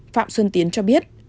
phạm xuân tiến cho biết